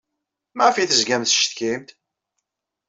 Maɣef ay tezgam tettcetkim-d?